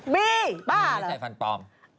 บีบ้าเหรอได้ไม่ใส่ฟันปลอม